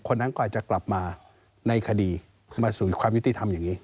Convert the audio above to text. คนนั้นก็อาจจะกลับมาในคดีมาสู่ความยุติธรรมอย่างนี้